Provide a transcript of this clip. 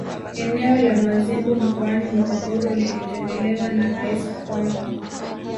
Eneo la Mazimbu mkoani Morogoro lilitembelewa na Rais wa kwanza